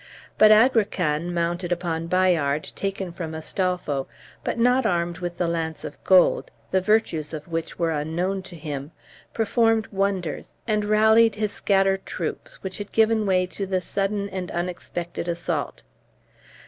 But Agrican, mounted upon Bayard, taken from Astolpho, but not armed with the lance of gold, the virtues of which were unknown to him, performed wonders, and rallied his scattered troops, which had given way to the sudden and unexpected assault.